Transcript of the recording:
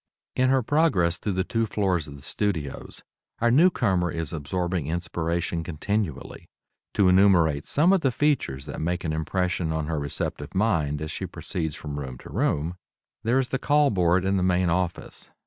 In her progress through the two floors of the studios our newcomer is absorbing inspiration continually. To enumerate some of the features that make an impression on her receptive mind as she proceeds from room to room: There is the Call Board in the main office.